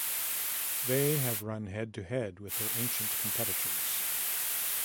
They have run head-to-head with their ancient competitors.